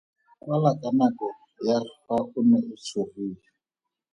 Kwala ka ga nako ya fa o ne o tshogile.